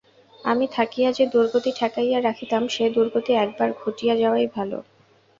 আমি থাকিয়া যে-দুর্গতি ঠেকাইয়া রাখিতাম, সে-দুর্গতি একবার ঘটিয়া যাওয়াই ভালো।